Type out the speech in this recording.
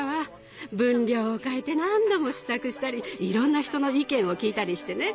分量を変えて何度も試作したりいろんな人の意見を聞いたりしてね。